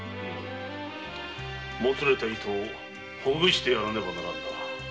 もつれた糸ほぐしてやらねばならぬな。